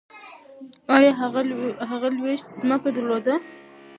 ایا هغه لویشت ځمکه درلوده؟